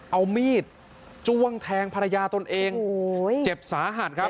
เอามีดจ้วงแทงภรรยาตนเองโอ้โหเจ็บสาหัสครับ